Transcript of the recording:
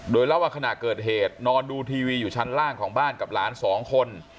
โดยเล่าว่าขณะเกิดเหตุนอนดูทีวีอยู่ชั้นล่างของบ้านกับหลานสองคน